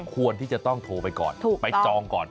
ควรที่จะต้องโทรไปก่อนไปจองก่อน